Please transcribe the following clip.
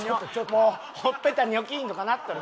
もうほっぺたニョキーンとかなっとる。